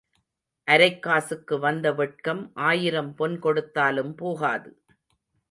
அரைக் காசுக்கு வந்த வெட்கம் ஆயிரம் பொன் கொடுத்தாலும் போகாது.